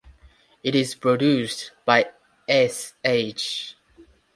It is produced by Sh.